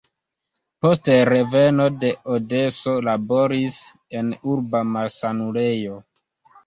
Post reveno de Odeso laboris en urba malsanulejo.